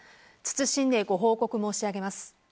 謹んでご報告申し上げます。